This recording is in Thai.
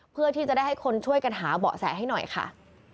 เพื่อที่จะได้ให้คนช่วยกันหาเบาะแสให้หน่อยค่ะ